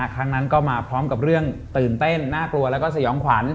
ครั้งนั้นก็มาพร้อมกับเรื่องตื่นเต้นน่ากลัวแล้วก็สยองขวัญ